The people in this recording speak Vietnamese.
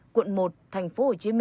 quận một tp hcm